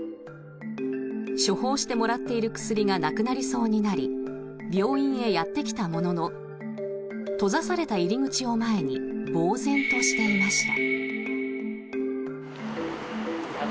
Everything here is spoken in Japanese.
処方してもらっている薬がなくなりそうになり病院へやってきたものの閉ざされた入り口を前にぼうぜんとしていました。